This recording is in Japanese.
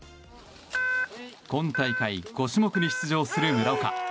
今大会５種目に出場する村岡。